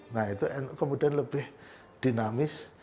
nah itu nu kemudian lebih dinamis